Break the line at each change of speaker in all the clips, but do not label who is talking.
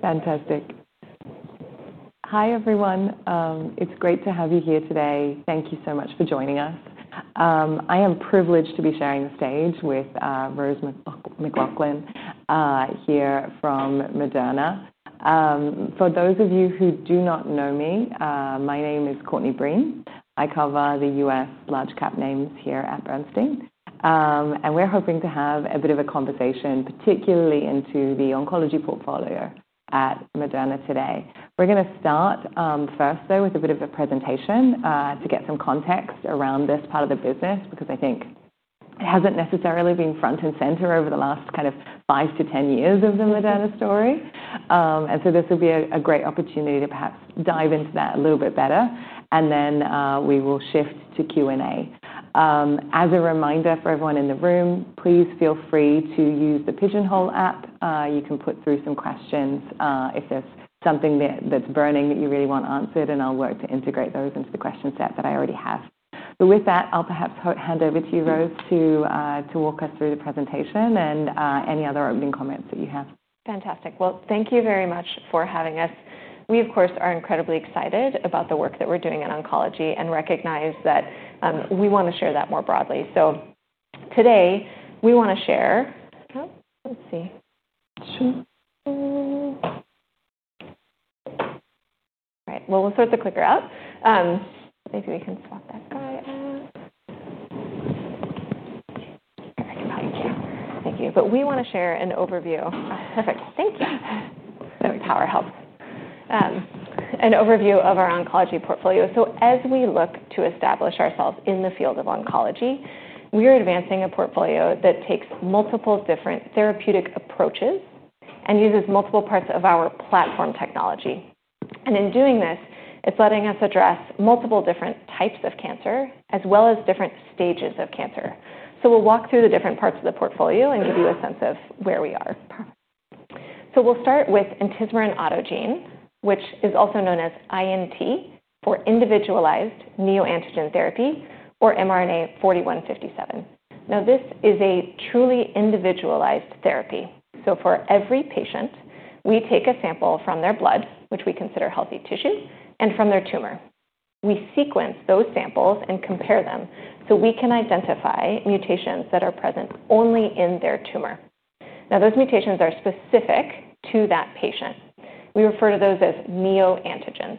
Fantastic. Hi, everyone. It's great to have you here today. Thank you so much for joining us. I am privileged to be sharing the stage with Rose McLaughlin here from Moderna. For those of you who do not know me, my name is Courtney Breen. I cover the U.S. large-cap names here at Bernstein. We're hoping to have a bit of a conversation, particularly into the oncology portfolio at Moderna today. We're going to start first with a bit of a presentation to get some context around this part of the business, because I think it hasn't necessarily been front and center over the last five to ten years of the Moderna story. This will be a great opportunity to perhaps dive into that a little bit better. We will shift to Q&A. As a reminder for everyone in the room, please feel free to use the Pigeonhole app. You can put through some questions if there's something that's burning that you really want answered. I'll work to integrate those into the question set that I already have. With that, I'll perhaps hand over to you, Rose, to walk us through the presentation and any other opening comments that you have.
Fantastic. Thank you very much for having us. We, of course, are incredibly excited about the work that we're doing in oncology and recognize that we want to share that more broadly. Today we want to share... Oh, let's see.
Sure.
All right. We'll start the clicker up. Maybe we can swap that guy and... Thank you. Thank you. We want to share an overview.
Perfect. Thank you.
That power helps. An overview of our oncology portfolio. As we look to establish ourselves in the field of oncology, we are advancing a portfolio that takes multiple different therapeutic approaches and uses multiple parts of our platform technology. In doing this, it's letting us address multiple different types of cancer, as well as different stages of cancer. We'll walk through the different parts of the portfolio and give you a sense of where we are. We'll start with Entismaran autogene, which is also known as INT, or Individualized Neoantigen Therapy, or mRNA-4157. This is a truly individualized therapy. For every patient, we take a sample from their blood, which we consider healthy tissue, and from their tumor. We sequence those samples and compare them so we can identify mutations that are present only in their tumor. Those mutations are specific to that patient. We refer to those as neoantigens.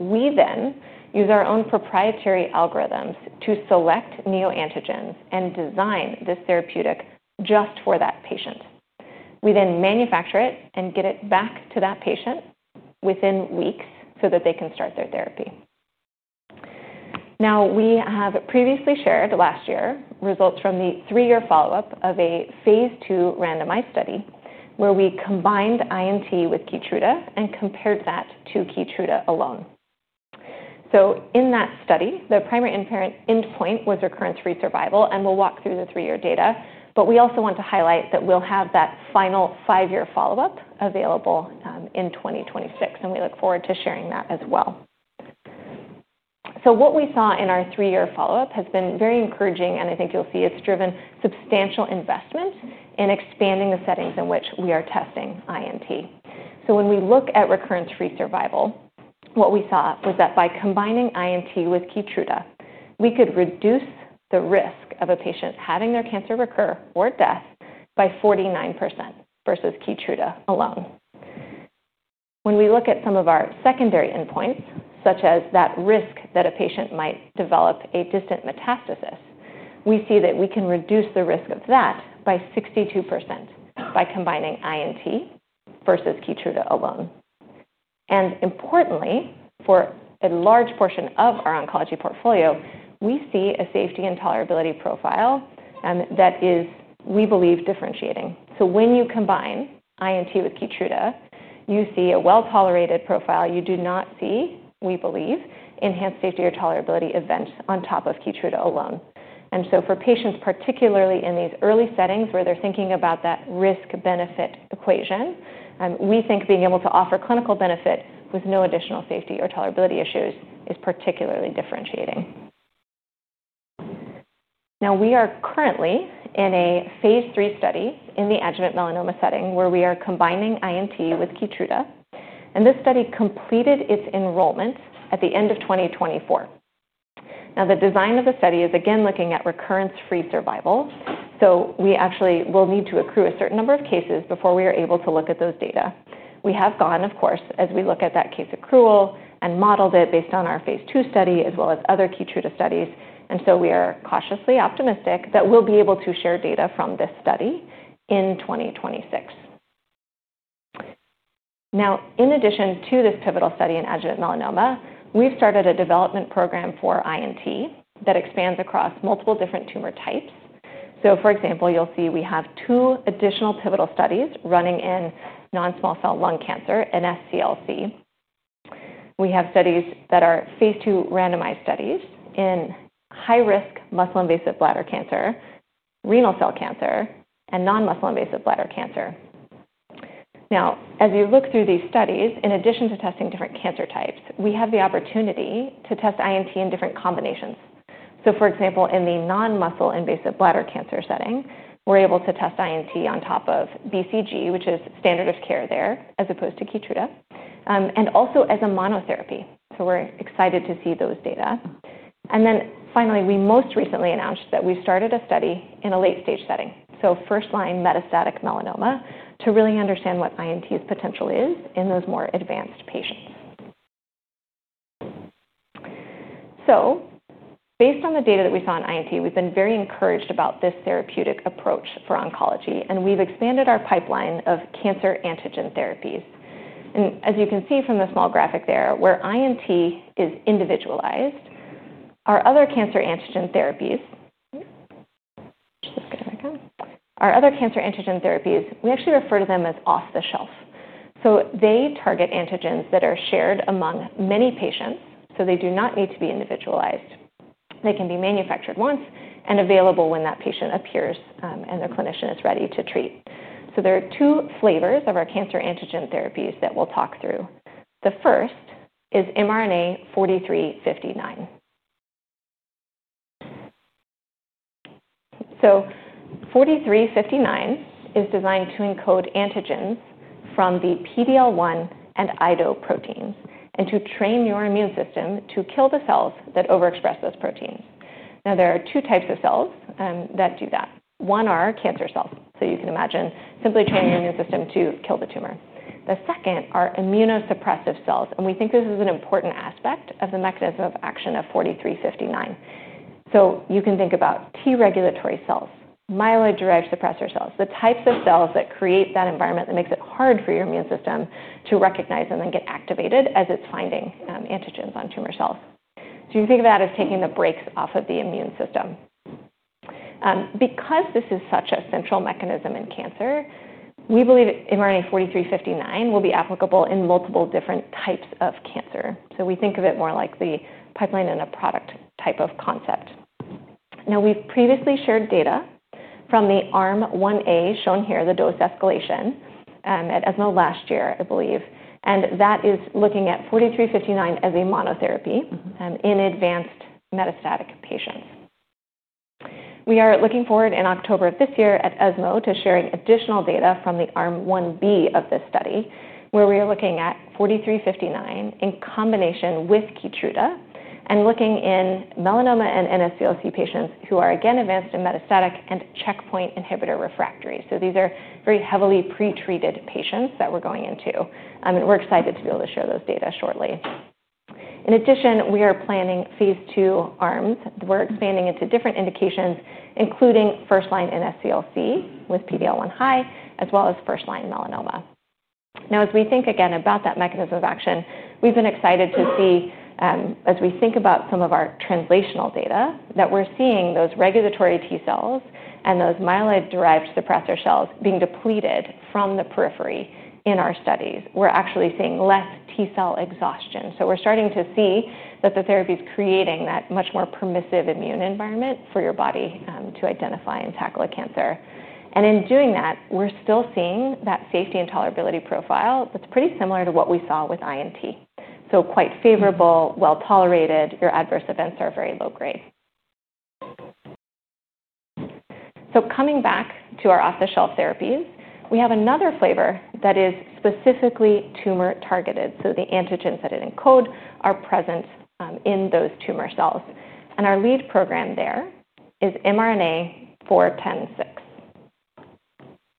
We then use our own proprietary algorithms to select neoantigens and design this therapeutic just for that patient. We then manufacture it and get it back to that patient within weeks so that they can start their therapy. We have previously shared last year results from the three-year follow-up of a phase two randomized study where we combined INT with Keytruda and compared that to Keytruda alone. In that study, the primary endpoint was recurrence-free survival, and we'll walk through the three-year data. We also want to highlight that we'll have that final five-year follow-up available in 2026. We look forward to sharing that as well. What we saw in our three-year follow-up has been very encouraging. I think you'll see it's driven substantial investment in expanding the settings in which we are testing INT. When we look at recurrence-free survival, what we saw was that by combining INT with Keytruda, we could reduce the risk of a patient having their cancer recur or death by 49% versus Keytruda alone. When we look at some of our secondary endpoints, such as that risk that a patient might develop a distant metastasis, we see that we can reduce the risk of that by 62% by combining INT versus Keytruda alone. Importantly, for a large portion of our oncology portfolio, we see a safety and tolerability profile that is, we believe, differentiating. When you combine INT with Keytruda, you see a well-tolerated profile. You do not see, we believe, enhanced safety or tolerability events on top of Keytruda alone. For patients, particularly in these early settings where they're thinking about that risk-benefit equation, we think being able to offer clinical benefit with no additional safety or tolerability issues is particularly differentiating. We are currently in a phase three study in the adjuvant melanoma setting where we are combining INT with Keytruda. This study completed its enrollment at the end of 2024. The design of the study is again looking at recurrence-free survival. We actually will need to accrue a certain number of cases before we are able to look at those data. We have gone, of course, as we look at that case accrual and modeled it based on our phase two study, as well as other Keytruda studies. We are cautiously optimistic that we'll be able to share data from this study in 2026. In addition to this pivotal study in adjuvant melanoma, we've started a development program for INT that expands across multiple different tumor types. For example, you'll see we have two additional pivotal studies running in non-small cell lung cancer and SCLC. We have studies that are phase two randomized studies in high-risk muscle-invasive bladder cancer, renal cell cancer, and non-muscle-invasive bladder cancer. As you look through these studies, in addition to testing different cancer types, we have the opportunity to test INT in different combinations. For example, in the non-muscle-invasive bladder cancer setting, we're able to test INT on top of BCG, which is standard of care there, as opposed to Keytruda, and also as a monotherapy. We're excited to see those data. Finally, we most recently announced that we've started a study in a late-stage setting, first-line metastatic melanoma, to really understand what INT's potential is in those more advanced patients. Based on the data that we saw in INT, we've been very encouraged about this therapeutic approach for oncology. We've expanded our pipeline of cancer antigen therapies. As you can see from the small graphic there, where INT is individualized, our other cancer antigen therapies, we actually refer to them as off-the-shelf. They target antigens that are shared among many patients. They do not need to be individualized. They can be manufactured once and available when that patient appears and their clinician is ready to treat. There are two flavors of our cancer antigen therapies that we'll talk through. The first is mRNA-4359. mRNA-4359 is designed to encode antigens from the PD-L1 and IDO proteins and to train your immune system to kill the cells that overexpress those proteins. There are two types of cells that do that. One are cancer cells. You can imagine simply training your immune system to kill the tumor. The second are immunosuppressive cells. We think this is an important aspect of the mechanism of action of mRNA-4359. You can think about T-regulatory cells, myeloid-derived suppressor cells, the types of cells that create that environment that makes it hard for your immune system to recognize and then get activated as it's finding antigens on tumor cells. You think of that as taking the brakes off of the immune system. Because this is such a central mechanism in cancer, we believe mRNA-4359 will be applicable in multiple different types of cancer. We think of it more like the pipeline and a product type of concept. We've previously shared data from the ARM1A shown here, the dose escalation at ESMO last year, I believe. That is looking at mRNA-4359 as a monotherapy in advanced metastatic patients. We are looking forward in October of this year at ESMO to sharing additional data from the ARM1B of this study, where we are looking at mRNA-4359 in combination with Keytruda and looking in melanoma and NSCLC patients who are again advanced in metastatic and checkpoint inhibitor refractory. These are very heavily pretreated patients that we're going into. We're excited to be able to share those data shortly. In addition, we are planning phase two ARMs. We're expanding into different indications, including first-line NSCLC with PD-L1 high, as well as first-line melanoma. As we think again about that mechanism of action, we've been excited to see, as we think about some of our translational data, that we're seeing those regulatory T cells and those myeloid-derived suppressor cells being depleted from the periphery in our studies. We're actually seeing less T cell exhaustion. We're starting to see that the therapy is creating that much more permissive immune environment for your body to identify and tackle a cancer. In doing that, we're still seeing that safety and tolerability profile that's pretty similar to what we saw with INT. Quite favorable, well-tolerated. Your adverse events are very low-grade. Coming back to our off-the-shelf therapies, we have another flavor that is specifically tumor-targeted. The antigens that it encodes are present in those tumor cells. Our lead program there is mRNA-4106.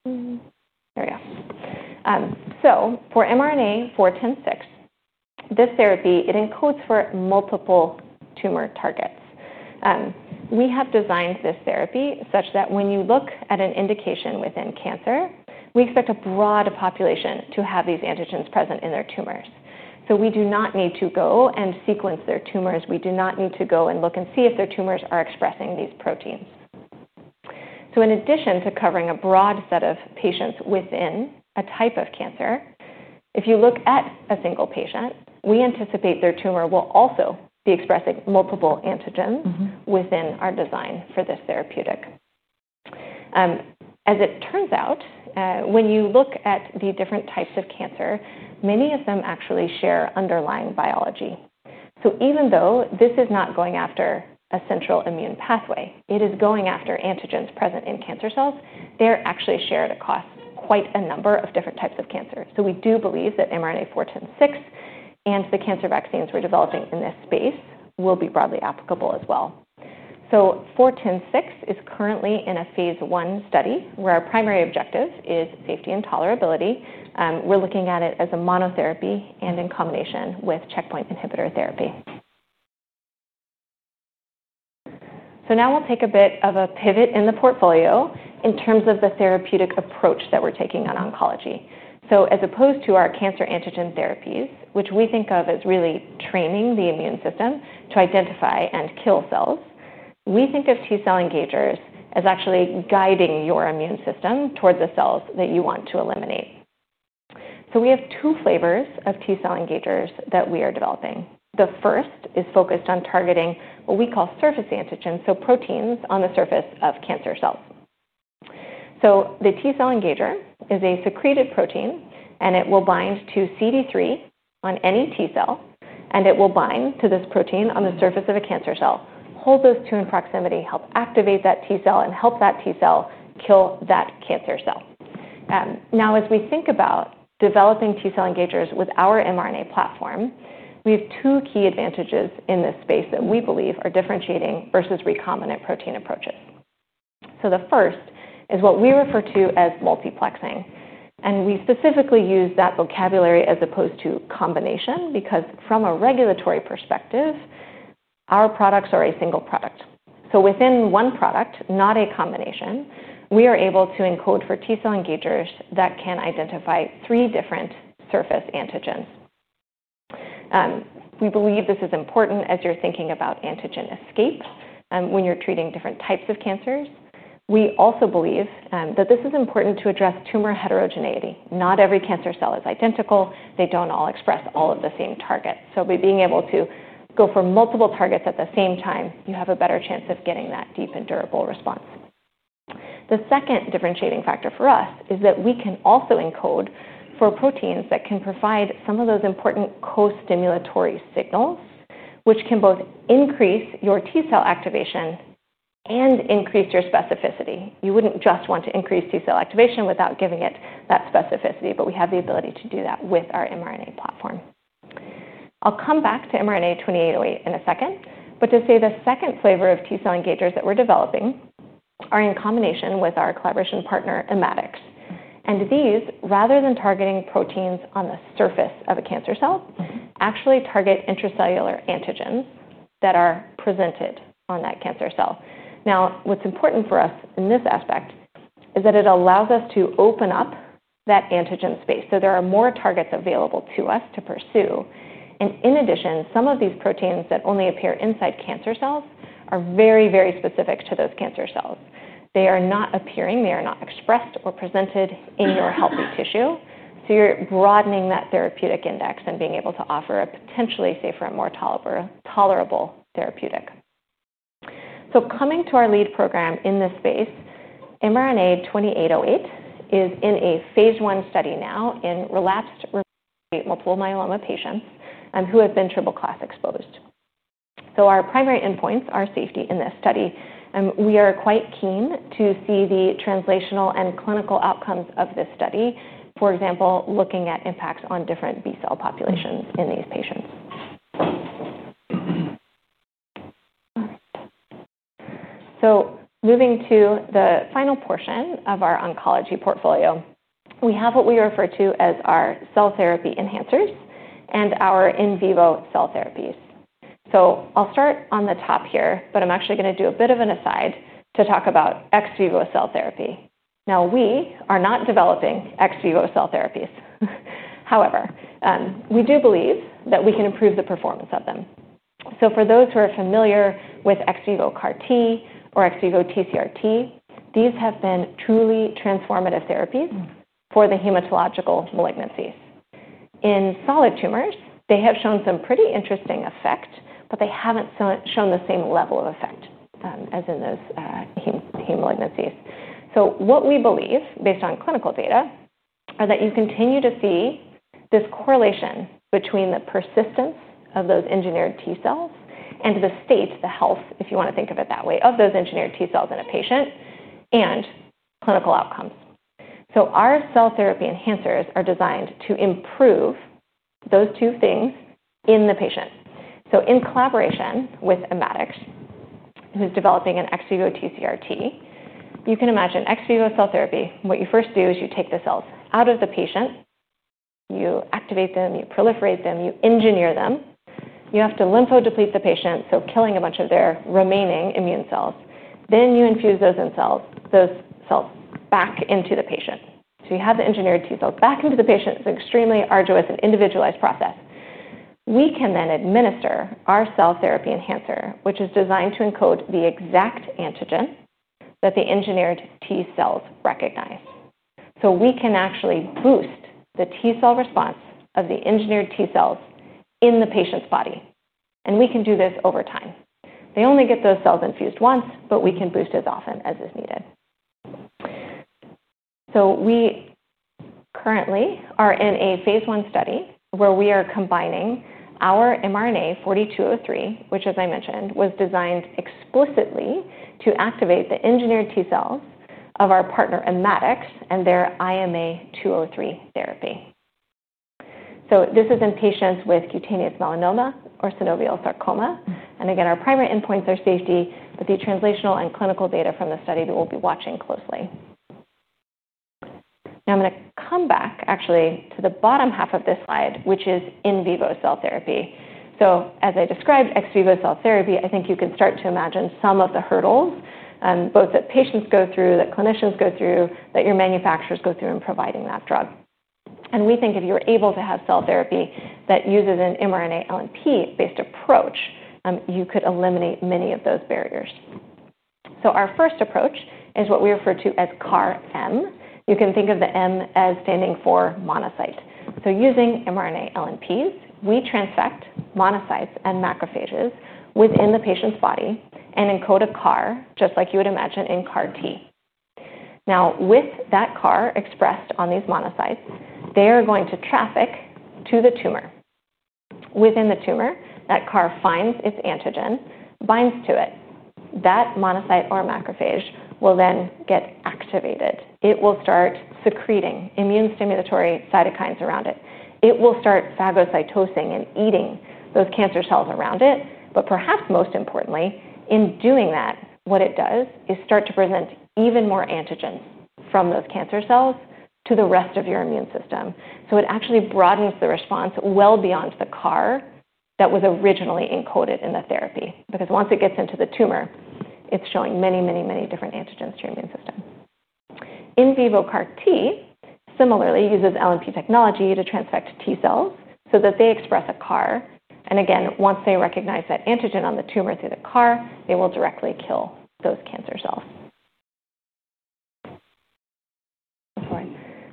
There we go. For mRNA-4106, this therapy encodes for multiple tumor targets. We have designed this therapy such that when you look at an indication within cancer, we expect a broad population to have these antigens present in their tumors. We do not need to go and sequence their tumors. We do not need to go and look and see if their tumors are expressing these proteins. In addition to covering a broad set of patients within a type of cancer, if you look at a single patient, we anticipate their tumor will also be expressing multiple antigens within our design for this therapeutic. As it turns out, when you look at the different types of cancer, many of them actually share underlying biology. Even though this is not going after a central immune pathway, it is going after antigens present in cancer cells. They're actually shared across quite a number of different types of cancer. We do believe that mRNA-4106 and the cancer vaccines we're developing in this space will be broadly applicable as well. 4106 is currently in a phase one study where our primary objective is safety and tolerability. We're looking at it as a monotherapy and in combination with checkpoint inhibitor therapy. Now we'll take a bit of a pivot in the portfolio in terms of the therapeutic approach that we're taking on oncology. As opposed to our cancer antigen therapies, which we think of as really training the immune system to identify and kill cells, we think of T cell engagers as actually guiding your immune system toward the cells that you want to eliminate. We have two flavors of T cell engagers that we are developing. The first is focused on targeting what we call surface antigens, proteins on the surface of cancer cells. The T cell engager is a secreted protein, and it will bind to CD3 on any T cell. It will bind to this protein on the surface of a cancer cell, hold those two in proximity, help activate that T cell, and help that T cell kill that cancer cell. Now, as we think about developing T cell engagers with our mRNA platform, we have two key advantages in this space that we believe are differentiating versus recombinant protein approaches. The first is what we refer to as multiplexing. We specifically use that vocabulary as opposed to combination because from a regulatory perspective, our products are a single product. Within one product, not a combination, we are able to encode for T cell engagers that can identify three different surface antigens. We believe this is important as you're thinking about antigen escape when you're treating different types of cancers. We also believe that this is important to address tumor heterogeneity. Not every cancer cell is identical. They don't all express all of the same targets. By being able to go for multiple targets at the same time, you have a better chance of getting that deep and durable response. The second differentiating factor for us is that we can also encode for proteins that can provide some of those important co-stimulatory signals, which can both increase your T cell activation and increase your specificity. You wouldn't just want to increase T cell activation without giving it that specificity. We have the ability to do that with our mRNA platform. I'll come back to mRNA-2808 in a second. The second flavor of T cell engagers that we're developing are in combination with our collaboration partner Immatics. These, rather than targeting proteins on the surface of a cancer cell, actually target intracellular antigens that are presented on that cancer cell. What's important for us in this aspect is that it allows us to open up that antigen space. There are more targets available to us to pursue. In addition, some of these proteins that only appear inside cancer cells are very, very specific to those cancer cells. They are not appearing. They are not expressed or presented in your healthy tissue. You're broadening that therapeutic index and being able to offer a potentially safer and more tolerable therapeutic. Coming to our lead program in this space, mRNA-2808 is in a phase one study now in relapsed multiple myeloma patients who have been triple class exposed. Our primary endpoints are safety in this study. We are quite keen to see the translational and clinical outcomes of this study, for example, looking at impacts on different B cell populations in these patients. Moving to the final portion of our oncology portfolio, we have what we refer to as our cell therapy enhancers and our in vivo cell therapies. I'll start on the top here, but I'm actually going to do a bit of an aside to talk about ex vivo cell therapy. We are not developing ex vivo cell therapies. However, we do believe that we can improve the performance of them. For those who are familiar with ex vivo CAR-T or ex vivo TCRT, these have been truly transformative therapies for the hematological malignancies. In solid tumors, they have shown some pretty interesting effects, but they haven't shown the same level of effect as in those heme malignancies. We believe, based on clinical data, that you continue to see this correlation between the persistence of those engineered T cells and the state, the health, if you want to think of it that way, of those engineered T cells in a patient and clinical outcomes. Our cell therapy enhancers are designed to improve those two things in the patient. In collaboration with Immatics, who's developing an ex vivo TCRT, you can imagine ex vivo cell therapy. What you first do is you take the cells out of the patient, you activate them, you proliferate them, you engineer them. You have to lymphodeplete the patient, so killing a bunch of their remaining immune cells. You infuse those cells back into the patient. You have the engineered T cells back into the patient. It's an extremely arduous and individualized process. We can then administer our cell therapy enhancer, which is designed to encode the exact antigen that the engineered T cells recognize. We can actually boost the T cell response of the engineered T cells in the patient's body. We can do this over time. They only get those cells infused once, but we can boost as often as is needed. We currently are in a phase one study where we are combining our mRNA-4203, which, as I mentioned, was designed explicitly to activate the engineered T cells of our partner Immatics and their IMA203 therapy. This is in patients with cutaneous melanoma or synovial sarcoma. Our primary endpoints are safety, but the translational and clinical data from the study that we'll be watching closely. I'm going to come back actually to the bottom half of this slide, which is in vivo cell therapy. As I described ex vivo cell therapy, I think you can start to imagine some of the hurdles both that patients go through, that clinicians go through, that your manufacturers go through in providing that drug. We think if you're able to have cell therapy that uses an mRNA LNP-based approach, you could eliminate many of those barriers. Our first approach is what we refer to as CAR-M. You can think of the M as standing for monocyte. Using mRNA LNPs, we transfect monocytes and macrophages within the patient's body and encode a CAR, just like you would imagine in CAR-T. Now, with that CAR expressed on these monocytes, they are going to traffic to the tumor. Within the tumor, that CAR finds its antigen, binds to it. That monocyte or macrophage will then get activated. It will start secreting immune stimulatory cytokines around it. It will start phagocytosing and eating those cancer cells around it. Perhaps most importantly, in doing that, what it does is start to present even more antigens from those cancer cells to the rest of your immune system. It actually broadens the response well beyond the CAR that was originally encoded in the therapy. Once it gets into the tumor, it's showing many, many, many different antigens to your immune system. In vivo CAR-T, similarly, uses LNP technology to transfect T cells so that they express a CAR. Once they recognize that antigen on the tumor through the CAR, they will directly kill those cancer cells.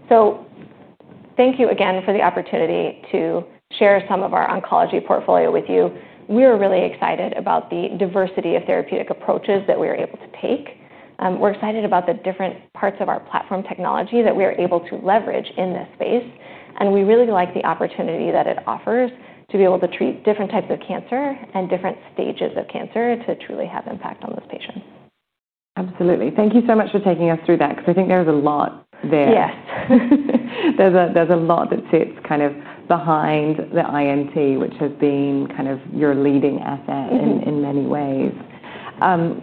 Thank you again for the opportunity to share some of our oncology portfolio with you. We are really excited about the diversity of therapeutic approaches that we are able to take. We're excited about the different parts of our platform technology that we are able to leverage in this space. We really like the opportunity that it offers to be able to treat different types of cancer and different stages of cancer to truly have impact on those patients.
Absolutely. Thank you so much for taking us through that, because I think there is a lot there.
Yes.
There's a lot that sits kind of behind the INT, which has been kind of your leading asset in many ways.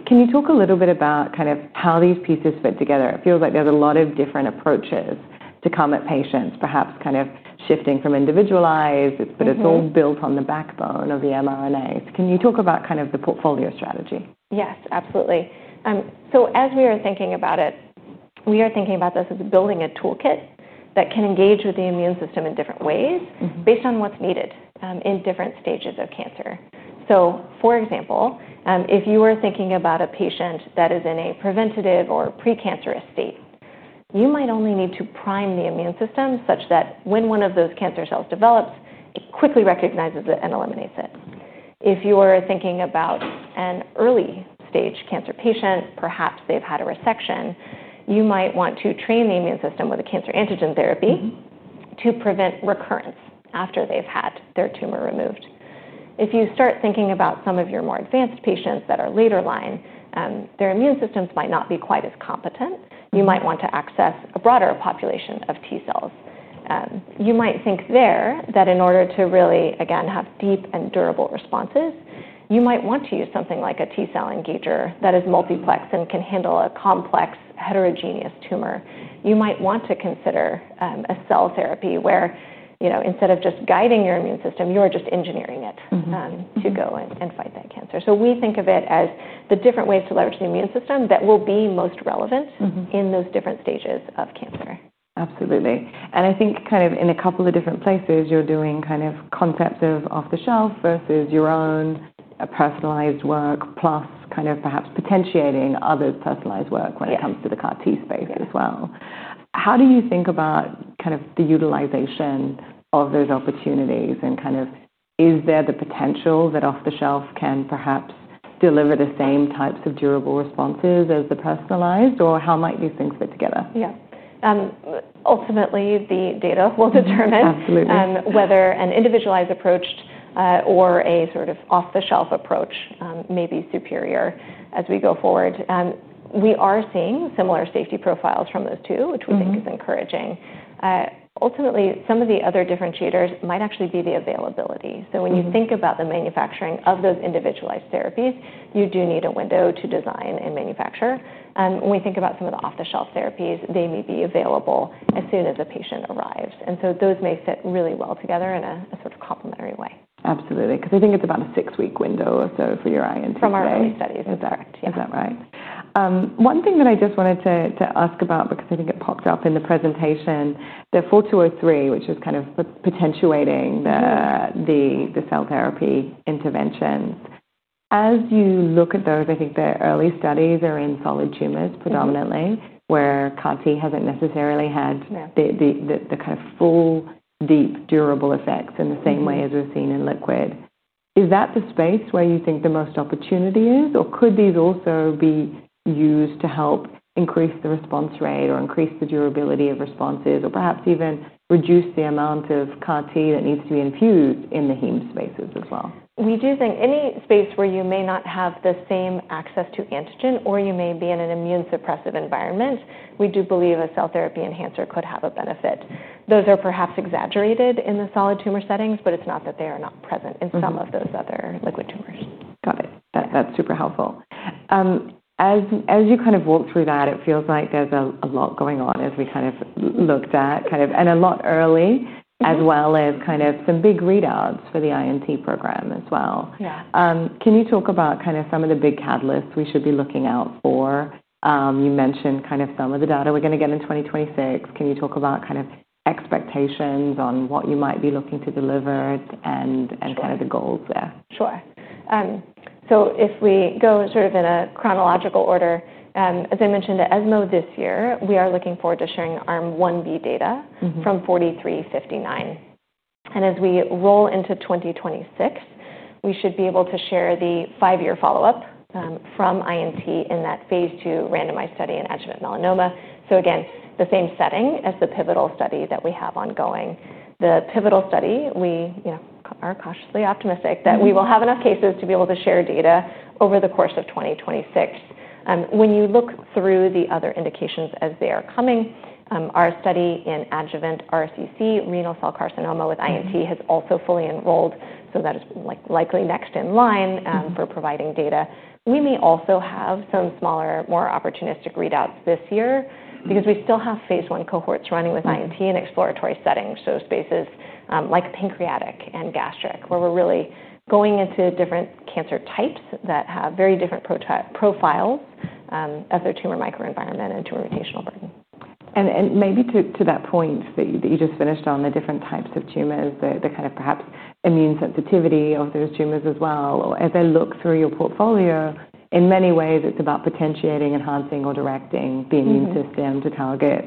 Can you talk a little bit about kind of how these pieces fit together? It feels like there's a lot of different approaches to come at patients, perhaps kind of shifting from individualized, but it's all built on the backbone of the mRNA. Can you talk about kind of the portfolio strategy?
Yes, absolutely. As we are thinking about it, we are thinking about this as building a toolkit that can engage with the immune system in different ways based on what's needed in different stages of cancer. For example, if you are thinking about a patient that is in a preventative or precancerous state, you might only need to prime the immune system such that when one of those cancer cells develops, it quickly recognizes it and eliminates it. If you are thinking about an early-stage cancer patient, perhaps they've had a resection, you might want to train the immune system with a cancer antigen therapy to prevent recurrence after they've had their tumor removed. If you start thinking about some of your more advanced patients that are later line, their immune systems might not be quite as competent. You might want to access a broader population of T cells. You might think there that in order to really, again, have deep and durable responses, you might want to use something like a T cell engager that is multiplex and can handle a complex heterogeneous tumor. You might want to consider a cell therapy where, instead of just guiding your immune system, you are just engineering it to go and fight that cancer. We think of it as the different ways to leverage the immune system that will be most relevant in those different stages of cancer.
Absolutely. I think in a couple of different places, you're doing kind of concept of off-the-shelf versus your own personalized work plus perhaps potentiating other personalized work when it comes to the CAR-T space as well. How do you think about the utilization of those opportunities? Is there the potential that off-the-shelf can perhaps deliver the same types of durable responses as the personalized? How might these things fit together?
Ultimately, the data will determine whether an individualized approach or a sort of off-the-shelf approach may be superior as we go forward. We are seeing similar safety profiles from those two, which we think is encouraging. Ultimately, some of the other differentiators might actually be the availability. When you think about the manufacturing of those individualized therapies, you do need a window to design and manufacture. When we think about some of the off-the-shelf therapies, they may be available as soon as a patient arrives. Those may sit really well together in a sort of complementary way.
Absolutely. I think it's about a six-week window or so for your INT therapy.
From our early studies.
Is that right? One thing that I just wanted to ask about because I think it popped up in the presentation, the mRNA-4203, which is kind of potentiating the cell therapy intervention. As you look at those, I think the early studies are in solid tumors predominantly, where CAR-T hasn't necessarily had the kind of full, deep, durable effects in the same way as we've seen in liquid. Is that the space where you think the most opportunity is? Could these also be used to help increase the response rate or increase the durability of responses or perhaps even reduce the amount of CAR-T that needs to be infused in the heme spaces as well?
We do think any space where you may not have the same access to antigen, or you may be in an immune suppressive environment, we do believe a cell therapy enhancer could have a benefit. Those are perhaps exaggerated in the solid tumor settings, but it's not that they are not present in some of those other liquid tumors.
Got it. That's super helpful. As you walk through that, it feels like there's a lot going on as we looked at a lot early, as well as some big readouts for the INT program as well.
Yeah.
Can you talk about some of the big catalysts we should be looking out for? You mentioned some of the data we're going to get in 2026. Can you talk about expectations on what you might be looking to deliver and the goals there?
Sure. If we go sort of in a chronological order, as I mentioned at ESMO 2024, we are looking forward to sharing ARM1B data from mRNA-4359. As we roll into 2026, we should be able to share the five-year follow-up from INT in that phase two randomized study in adjuvant melanoma, the same setting as the pivotal study that we have ongoing. The pivotal study, we are cautiously optimistic that we will have enough cases to be able to share data over the course of 2026. When you look through the other indications as they are coming, our study in adjuvant renal cell carcinoma with INT has also fully enrolled. That is likely next in line for providing data. We may also have some smaller, more opportunistic readouts this year because we still have phase one cohorts running with INT in exploratory settings, spaces like pancreatic and gastric, where we're really going into different cancer types that have very different profiles of their tumor microenvironment and tumor mutational burden.
Maybe to that point that you just finished on the different types of tumors, the kind of perhaps immune sensitivity of those tumors as well, or as I look through your portfolio, in many ways, it's about potentiating, enhancing, or directing the immune system to target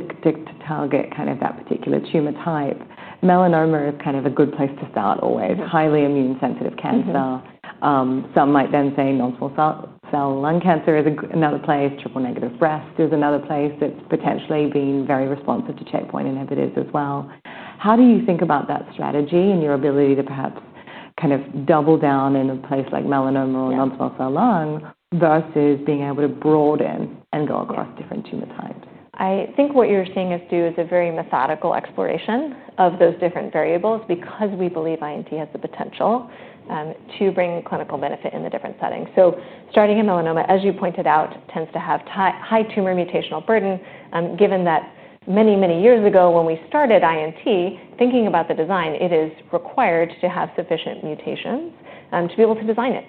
kind of that particular tumor type. Melanoma is kind of a good place to start always, highly immune sensitive cancer. Some might then say non-small cell lung cancer is another place. Triple negative breast is another place that's potentially being very responsive to checkpoint inhibitors as well. How do you think about that strategy and your ability to perhaps kind of double down in a place like melanoma or non-small cell lung versus being able to broaden and go across different tumor types?
I think what you're seeing us do is a very methodical exploration of those different variables because we believe INT has the potential to bring clinical benefit in the different settings. Starting in melanoma, as you pointed out, tends to have high tumor mutational burden, given that many, many years ago when we started INT, thinking about the design, it is required to have sufficient mutations to be able to design it.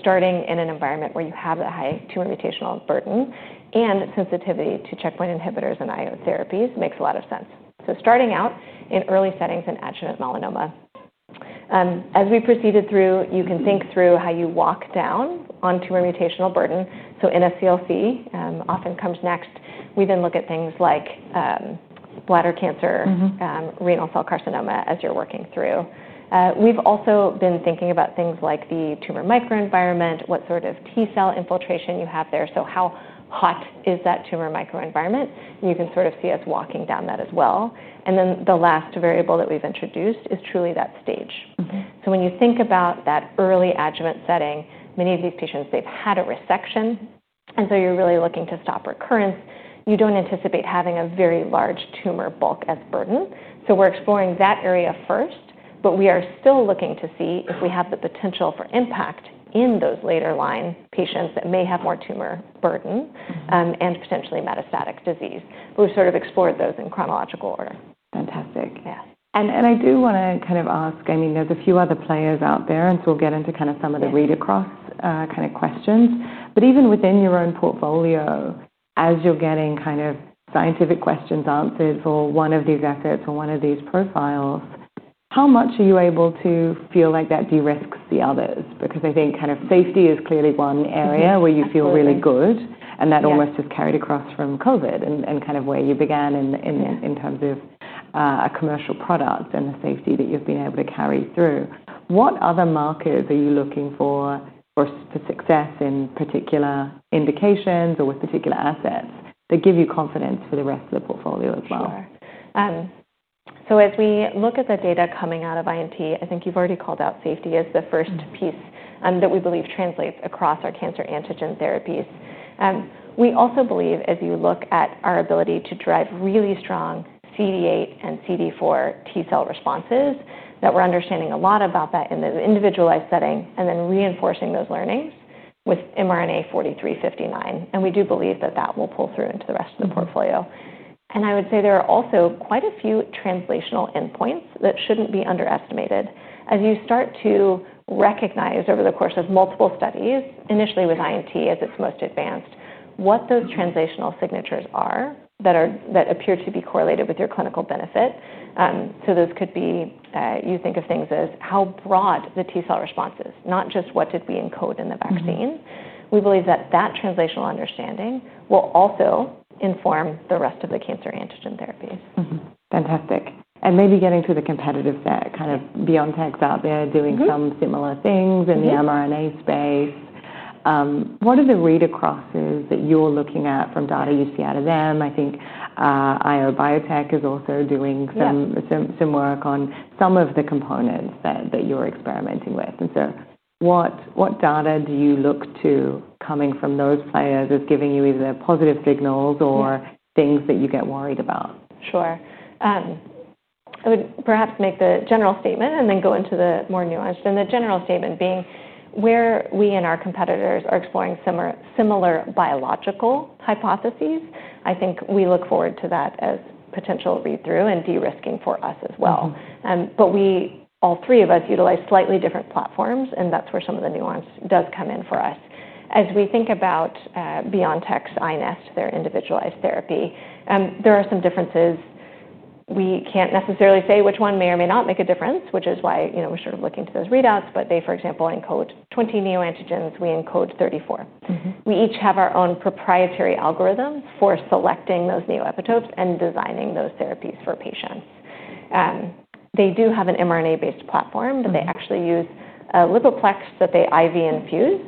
Starting in an environment where you have that high tumor mutational burden and sensitivity to checkpoint inhibitors and IO therapies makes a lot of sense. Starting out in early settings in adjuvant melanoma, as we proceeded through, you can think through how you walk down on tumor mutational burden. NSCLC often comes next. We then look at things like bladder cancer, renal cell carcinoma as you're working through. We've also been thinking about things like the tumor microenvironment, what sort of T cell infiltration you have there. How hot is that tumor microenvironment? You can sort of see us walking down that as well. The last variable that we've introduced is truly that stage. When you think about that early adjuvant setting, many of these patients, they've had a resection. You're really looking to stop recurrence. You don't anticipate having a very large tumor bulk as burden. We're exploring that area first. We are still looking to see if we have the potential for impact in those later line patients that may have more tumor burden and potentially metastatic disease. We've sort of explored those in chronological order.
Fantastic.
Yeah.
I do want to kind of ask, I mean, there are a few other players out there. We'll get into kind of some of the read across questions. Even within your own portfolio, as you're getting scientific questions answered for one of these assets or one of these profiles, how much are you able to feel like that de-risks the others? I think safety is clearly one area where you feel really good. That almost just carried across from COVID and where you began in terms of a commercial product and the safety that you've been able to carry through. What other markets are you looking for for success in particular indications or with particular assets that give you confidence for the rest of the portfolio as well?
Sure. As we look at the data coming out of INT, I think you've already called out safety as the first piece that we believe translates across our cancer antigen therapies. We also believe, as you look at our ability to drive really strong CD8 and CD4 T cell responses, that we're understanding a lot about that in the individualized setting and then reinforcing those learnings with mRNA-4359. We do believe that will pull through into the rest of the portfolio. There are also quite a few translational endpoints that shouldn't be underestimated. As you start to recognize over the course of multiple studies, initially with INT as its most advanced, what those translational signatures are that appear to be correlated with your clinical benefit. Those could be, you think of things as how broad the T cell response is, not just what did we encode in the vaccine. We believe that translational understanding will also inform the rest of the cancer antigen therapies.
Fantastic. Maybe getting to the competitive kind of BioNTech out there doing some similar things in the mRNA space, what are the read acrosses that you're looking at from data you see out of them? I think IO Biotech is also doing some work on some of the components that you're experimenting with, so what data do you look to coming from those players as giving you either positive signals or things that you get worried about?
Sure. I would perhaps make the general statement and then go into the more nuanced. The general statement being where we and our competitors are exploring similar biological hypotheses. I think we look forward to that as potential read through and de-risking for us as well. We, all three of us, utilize slightly different platforms. That is where some of the nuance does come in for us. As we think about BioNTech's iNEST, their individualized therapy, there are some differences. We can't necessarily say which one may or may not make a difference, which is why we're sort of looking to those readouts. For example, they encode 20 neoantigens. We encode 34. We each have our own proprietary algorithm for selecting those neoepitopes and designing those therapies for patients. They do have an mRNA-based platform, but they actually use a lipoplex that they IV infuse,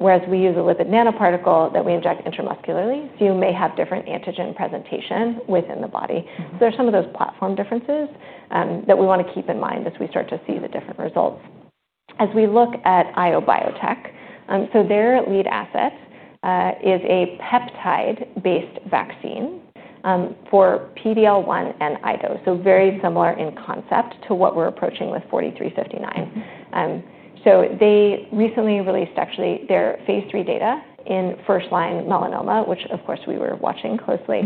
whereas we use a lipid nanoparticle that we inject intramuscularly. You may have different antigen presentation within the body. There are some of those platform differences that we want to keep in mind as we start to see the different results. As we look at IO Biotech, their lead asset is a peptide-based vaccine for PD-L1 and IDO. This is very similar in concept to what we're approaching with 4359. They recently released their phase 3 data in first-line melanoma, which, of course, we were watching closely.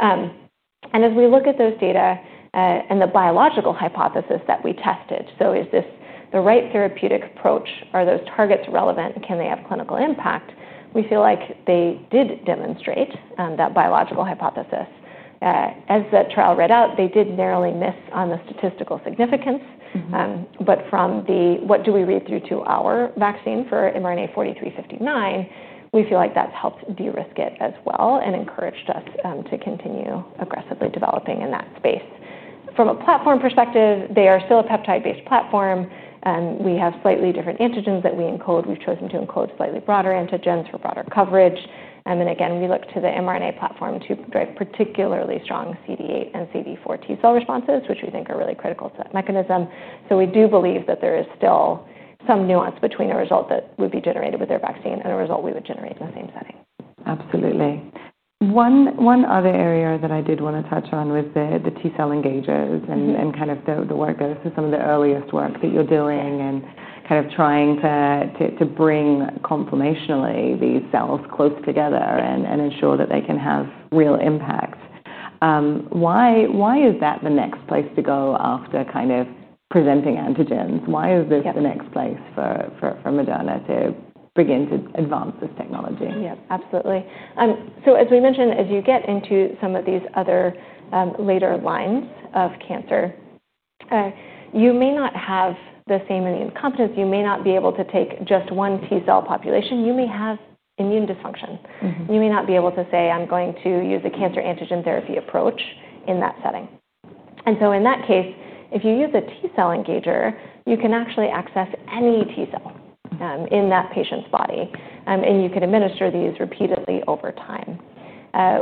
As we look at those data and the biological hypothesis that we tested, is this the right therapeutic approach? Are those targets relevant? Can they have clinical impact? We feel like they did demonstrate that biological hypothesis. As the trial read out, they did narrowly miss on the statistical significance. From the what do we read through to our vaccine for mRNA-4359, we feel like that's helped de-risk it as well and encouraged us to continue aggressively developing in that space. From a platform perspective, they are still a peptide-based platform. We have slightly different antigens that we encode. We've chosen to encode slightly broader antigens for broader coverage. We look to the mRNA platform to drive particularly strong CD8 and CD4 T cell responses, which we think are really critical to that mechanism. We do believe that there is still some nuance between a result that would be generated with their vaccine and a result we would generate in the same setting.
Absolutely. One other area that I did want to touch on was the T cell engagers and the work that this is some of the earliest work that you're doing in trying to bring, confirmationally, these cells close together and ensure that they can have real impact. Why is that the next place to go after presenting antigens? Why is this the next place for Moderna to begin to advance this technology?
Yeah, absolutely. As we mentioned, as you get into some of these other later lines of cancer, you may not have the same immune competence. You may not be able to take just one T cell population. You may have immune dysfunction. You may not be able to say, I'm going to use a cancer antigen therapy approach in that setting. In that case, if you use a T cell engager, you can actually access any T cell in that patient's body, and you could administer these repeatedly over time.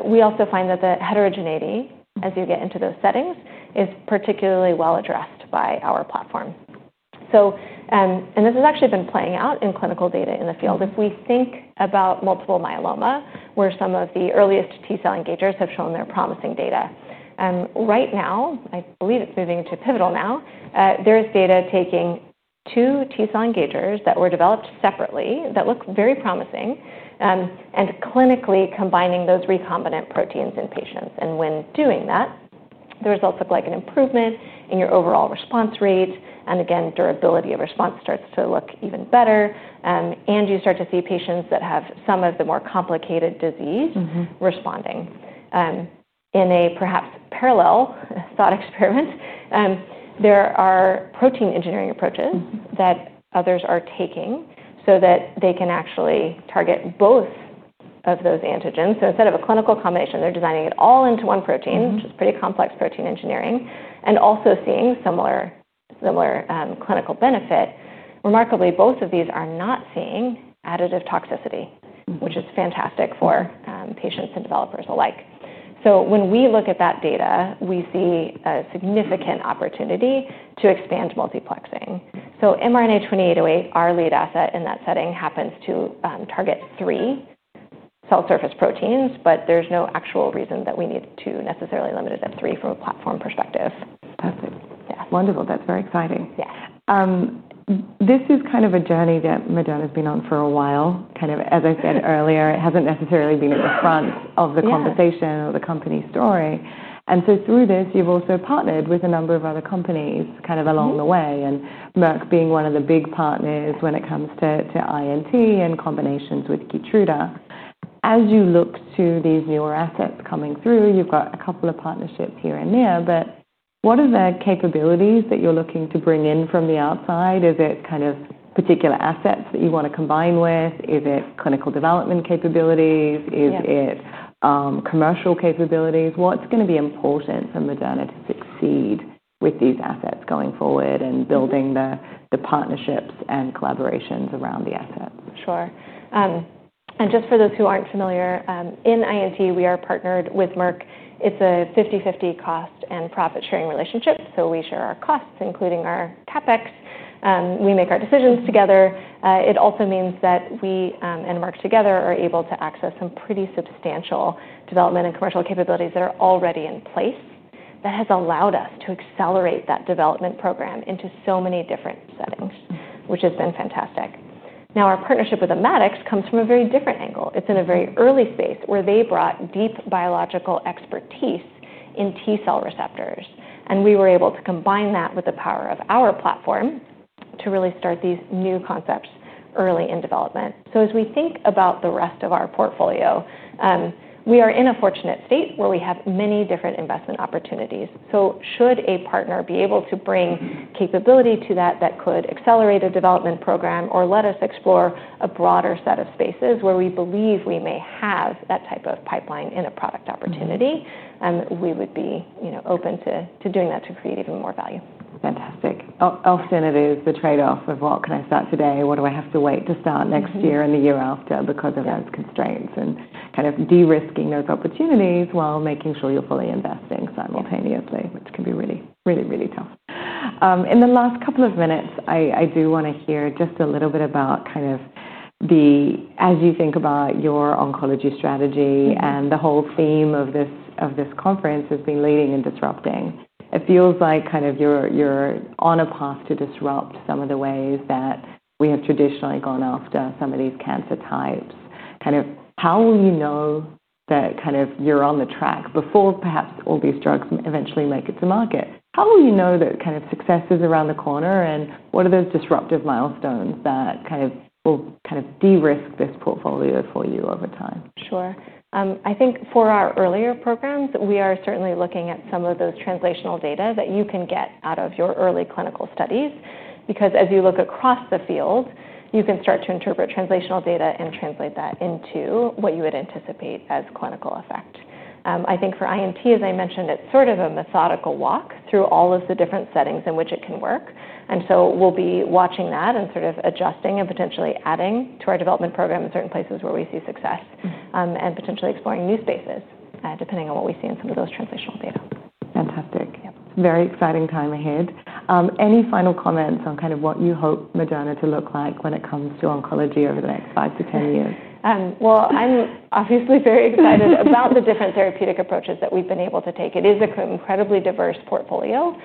We also find that the heterogeneity, as you get into those settings, is particularly well addressed by our platform. This has actually been playing out in clinical data in the field. If we think about multiple myeloma, where some of the earliest T cell engagers have shown their promising data, right now, I believe it's moving to pivotal now, there is data taking two T cell engagers that were developed separately that look very promising and clinically combining those recombinant proteins in patients. When doing that, the results look like an improvement in your overall response rate, and again, durability of response starts to look even better. You start to see patients that have some of the more complicated disease responding. In a perhaps parallel thought experiment, there are protein engineering approaches that others are taking so that they can actually target both of those antigens. Instead of a clinical combination, they're designing it all into one protein, which is pretty complex protein engineering, and also seeing similar clinical benefit. Remarkably, both of these are not seeing additive toxicity, which is fantastic for patients and developers alike. When we look at that data, we see a significant opportunity to expand multiplexing. mRNA-2808, our lead asset in that setting, happens to target three cell surface proteins, but there's no actual reason that we need to necessarily limit it to three from a platform perspective.
That's wonderful. That's very exciting.
Yeah.
This is kind of a journey that Moderna has been on for a while. As I said earlier, it hasn't necessarily been at the front of the conversation or the company story. Through this, you've also partnered with a number of other companies along the way, and Merck being one of the big partners when it comes to INT and combinations with Keytruda. As you look to these newer assets coming through, you've got a couple of partnerships here and there. What are the capabilities that you're looking to bring in from the outside? Is it particular assets that you want to combine with? Is it clinical development capabilities? Is it commercial capabilities? What's going to be important for Moderna to succeed with these assets going forward and building the partnerships and collaborations around the assets?
Sure. And just for those who aren't familiar, in INT, we are partnered with Merck. It's a 50/50 cost and profit sharing relationship. We share our costs, including our CapEx. We make our decisions together. It also means that we and Merck together are able to access some pretty substantial development and commercial capabilities that are already in place. That has allowed us to accelerate that development program into so many different settings, which has been fantastic. Now, our partnership with Immatics comes from a very different angle. It's in a very early space where they brought deep biological expertise in T cell receptors. We were able to combine that with the power of our platform to really start these new concepts early in development. As we think about the rest of our portfolio, we are in a fortunate state where we have many different investment opportunities. Should a partner be able to bring capability to that that could accelerate a development program or let us explore a broader set of spaces where we believe we may have that type of pipeline in a product opportunity, we would be open to doing that to create even more value.
Fantastic. Often it is the trade-off of what can I start today, what do I have to wait to start next year and the year after because of those constraints, and de-risking those opportunities while making sure you're fully investing simultaneously, which can be really, really, really tough. In the last couple of minutes, I do want to hear just a little bit about, as you think about your oncology strategy, and the whole theme of this conference has been leading and disrupting. It feels like you're on a path to disrupt some of the ways that we have traditionally gone after some of these cancer types. How will you know that you're on the track before perhaps all these drugs eventually make it to market? How will you know that success is around the corner? What are those disruptive milestones that will de-risk this portfolio for you over time?
Sure. I think for our earlier programs, we are certainly looking at some of those translational data that you can get out of your early clinical studies. As you look across the field, you can start to interpret translational data and translate that into what you would anticipate as clinical effect. I think for INT, as I mentioned, it's sort of a methodical walk through all of the different settings in which it can work. We'll be watching that and sort of adjusting and potentially adding to our development program in certain places where we see success and potentially exploring new spaces, depending on what we see in some of those translational data.
Fantastic.
Yeah.
Very exciting time ahead. Any final comments on kind of what you hope Moderna to look like when it comes to oncology over the next five to ten years?
I'm obviously very excited about the different therapeutic approaches that we've been able to take. It is an incredibly diverse portfolio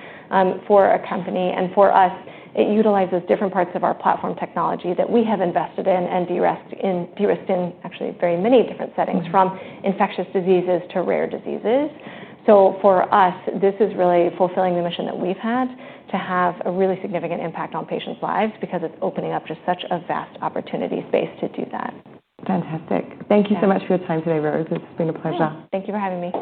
for a company. For us, it utilizes different parts of our platform technology that we have invested in and de-risked in actually very many different settings, from infectious diseases to rare diseases. For us, this is really fulfilling the mission that we've had to have a really significant impact on patients' lives because it's opening up just such a vast opportunity space to do that.
Fantastic. Thank you so much for your time today, Rose. It's been a pleasure.
Thank you for having me.